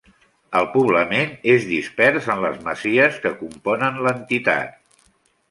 El poblament és dispers en les masies que componen l'entitat.